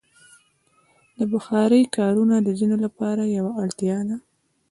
د بخارۍ کارونه د ځینو لپاره یوه اړتیا ده.